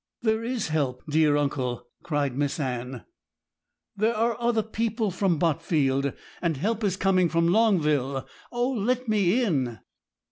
'There is help, dear uncle!' cried Miss Anne; 'there are other people from Botfield; and help is coming from Longville. Oh, let me in!'